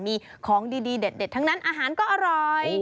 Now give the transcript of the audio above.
มีของดีเด็ดทั้งนั้นอาหารก็อร่อย